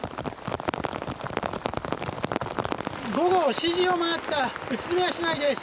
午後７時を回った宇都宮市内です。